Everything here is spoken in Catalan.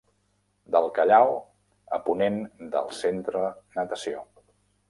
Del Callao, a ponent del Centre Natació.